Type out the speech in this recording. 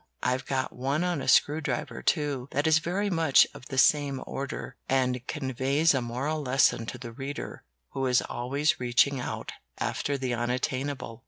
I've got one on a screw driver, too, that is very much of the same order, and conveys a moral lesson to the reader who is always reaching out after the unattainable.